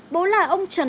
bố là ông trần